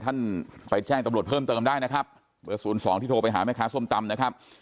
ท่านไปแจ้งตำรวจเพิ่มเติมได้นะครับเบอร์๐๒ที่โทรไปหาแม่ค้าส้มตำนะครับ